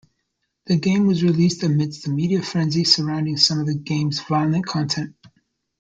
The game was released amidst a media frenzy surrounding some of game's violent content.